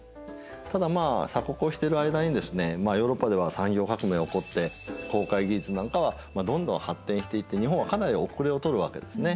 ただまあ鎖国をしている間にですねヨーロッパでは産業革命起こって航海技術なんかはどんどん発展していって日本はかなり遅れをとるわけですね。